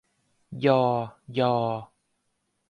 ญอ ยอ